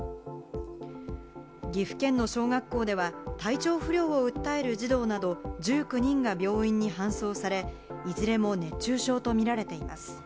岐阜県の小学校では、体調不良を訴える児童など１９人が病院に搬送され、いずれも熱中症とみられています。